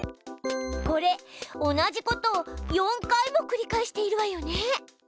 これ同じことを４回も繰り返しているわよね。